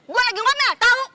gua lagi ngomel tau